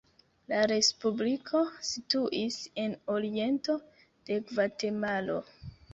La respubliko situis en oriento de Gvatemalo.